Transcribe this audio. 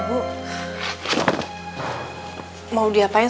mau diapain surah tanah rumah ini